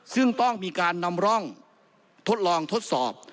ซึ่งต้องมีการนำร่องทดลองทดสอบ